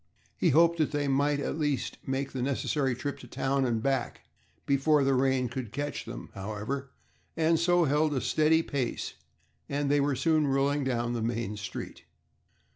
He hoped that they might at least make the necessary trip to town and back before the rain could catch them, however, and so held a steady pace, and they were soon rolling down the main street.